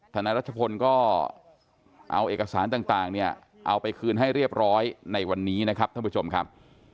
นายรัชพลก็เอาเอกสารต่างเนี่ยเอาไปคืนให้เรียบร้อยในวันนี้นะครับท่านผู้ชมครับ